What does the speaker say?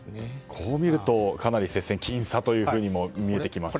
こう見るとかなり接戦僅差にも見えてきますね。